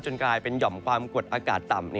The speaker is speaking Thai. กลายเป็นหย่อมความกดอากาศต่ำ